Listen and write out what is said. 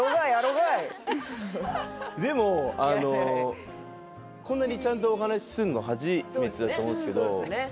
がいでもこんなにちゃんとお話するの初めてだと思うんですけどそうですね